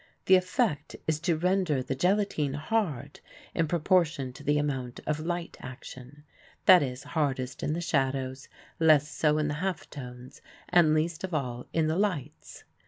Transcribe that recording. The effect is to render the gelatine hard in proportion to the amount of light action, that is, hardest in the shadows, less so in the half tones, and least of all in the lights.